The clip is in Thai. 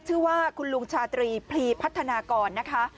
ชื่อว่าคุณลุงชาตรีพลีพัฒนากรนะคะ